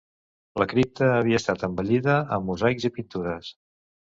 La cripta havia estat embellida amb mosaics i pintures.